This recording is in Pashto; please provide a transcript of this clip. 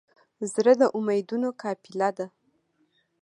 زړه د امیدونو قافله ده.